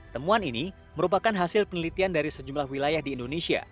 temuan ini merupakan hasil penelitian dari sejumlah wilayah di indonesia